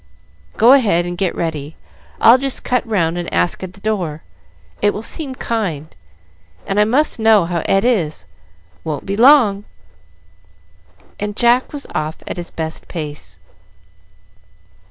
"Go ahead and get ready, I'll just cut round and ask at the door. It will seem kind, and I must know how Ed is. Won't be long;" and Jack was off at his best pace.